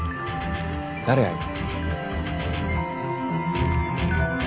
誰あいつ？